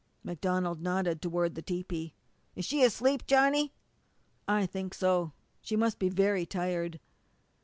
MacDonald nodded toward the tepee. "Is she asleep, Johnny?" "I think so. She must be very tired."